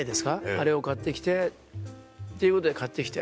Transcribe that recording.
あれを買って来てっていうことで買って来て。